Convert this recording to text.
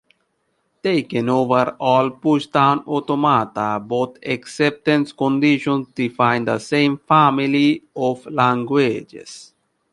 Taken over all pushdown automata both acceptance conditions define the same family of languages.